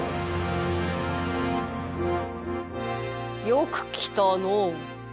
よくきたのう！